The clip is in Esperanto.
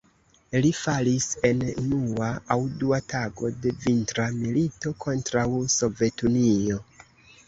Li falis en unua aŭ dua tago de Vintra milito kontraŭ Sovetunio.